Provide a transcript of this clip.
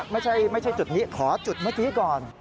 ไม่ใช่จุดนี้ขอจุดเมื่อกี้ก่อน